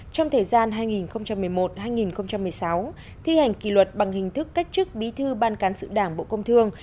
trong thời gian hai nghìn một mươi một hai nghìn một mươi sáu thi hành kỷ luật bằng hình thức cách chức bí thư ban cán sự đảng bộ công thương